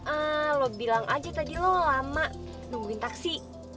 ah lo bilang aja tadi lo lama nungguin taksi